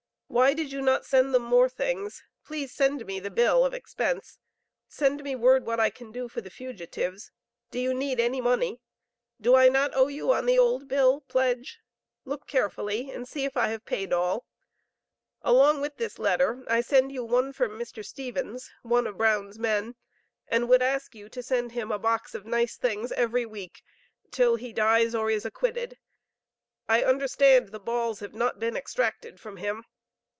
Why did you not send them more things? Please send me the bill of expense.... Send me word what I can do for the fugitives. Do you need any money? Do I not owe you on the old bill (pledge)? Look carefully and see if I have paid all. Along with this letter I send you one for Mr. Stephens (one of Brown's men), and would ask you to send him a box of nice things every week till he dies or is acquitted. I understand the balls have not been extracted from him.